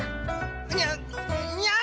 にゃにゃん！